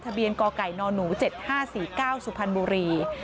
ทะเบียนกไก่นหนู๗๕๔๙สุพันธ์บุรี